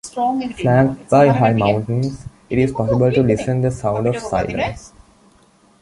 Flanked by high mountains, it is possible to listen the sound of silence.